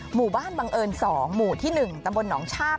หมู่บ้านบังเอิญ๒หมู่ที่๑ตำบลหนองชาติ